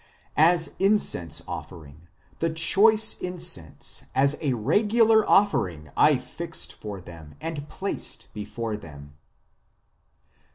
As incense offering, the choice incense as a regular offering I fixed for them and placed before them."